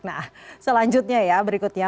nah selanjutnya ya berikutnya